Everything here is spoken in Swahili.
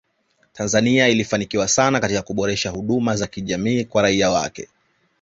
Tanzania ilifanikiwa sana katika kuboresha huduma za jamii kwa raia wake